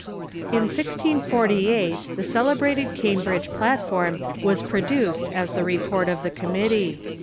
In 164b the celebrated Cambridge Platform was produced as the report of the committee.